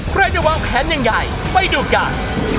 ใครจะวางแผนอย่างใหญ่ไปดูกัน